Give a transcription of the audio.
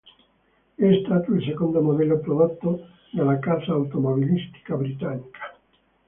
È stato il secondo modello prodotto dalla casa automobilistica britannica.